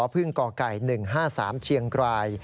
เพื่องก่อไก่๑๕๓เชียงกราย